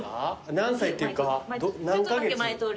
何歳っていうか何カ月？